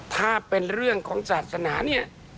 ถ้าเป็นเรื่องของศาสนาเนี่ย